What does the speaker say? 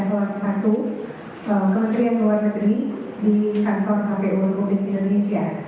kementerian luar negeri di kantor kpu di indonesia